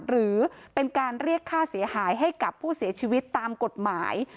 หรือเป็นการเรียกค่าเสียหายให้กับผู้เสียชีวิตตามกฎหมาย